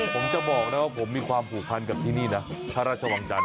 ผมจะบอกนะว่าผมมีความผูกพันกับที่นี่นะพระราชวังจันท